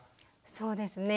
そうですね。